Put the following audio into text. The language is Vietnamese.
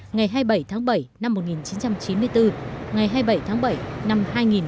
ngày hai mươi bảy tháng bảy năm một nghìn chín trăm chín mươi bốn ngày hai mươi bảy tháng bảy năm hai nghìn một mươi chín